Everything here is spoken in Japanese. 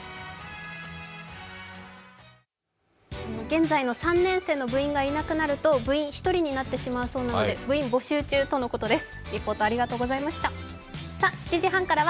現在の３年生の部員がいなくなると、部員１人になってしまうそうなので部員募集中ということです。